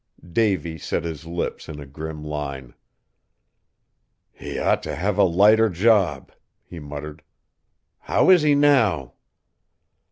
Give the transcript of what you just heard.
Davy set his lips in a grim line. "He ought t' have a lighter job!" he muttered. "How is he now?"